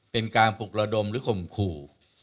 เป็นการปลุกระดมหรือข่มขู่